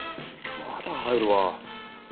まだ入るわ。